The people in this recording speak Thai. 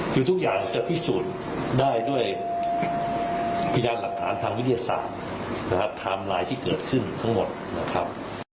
คือทุกอย่างจะพิสูจน์ได้ด้วยพยานหลักฐานทางวิทยาศาสตร์นะครับไทม์ไลน์ที่เกิดขึ้นทั้งหมดนะครับ